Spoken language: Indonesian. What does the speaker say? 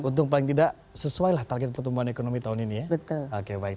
untung paling tidak sesuai lah target pertumbuhan ekonomi tahun ini ya